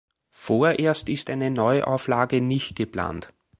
Vorerst ist eine Neuauflage nicht geplant.